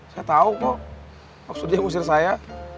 saya tahu kok maksudnya ngusir saya